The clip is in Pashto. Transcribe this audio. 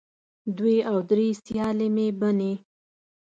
دوې او درې سیالې مې بنې